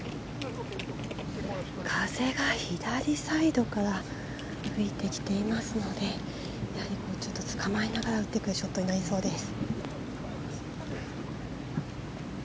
風が左サイドから吹いてきていますのでやはりつかまえながら打っていくショットになりそうです。